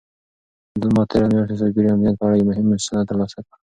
ما تېره میاشت د سایبري امنیت په اړه یو مهم سند ترلاسه کړ.